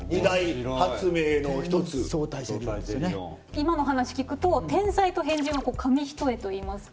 今の話聞くと天才と変人は紙一重といいますか。